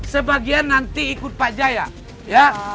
sebagian nanti ikut pak jaya